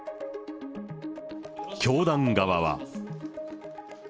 教団側は。